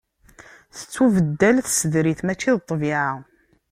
Tettubeddal tsedrit mačči d ṭṭbiɛa.